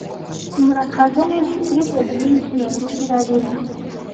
Murakaza neza kuri Oblivion irarira